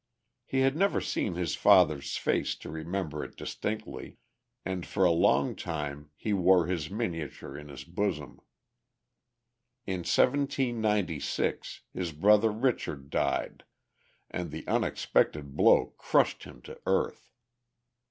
He had never seen his father's face to remember it distinctly, and for a long time he wore his miniature in his bosom. In 1796, his brother Richard died, and the unexpected blow crushed him to earth.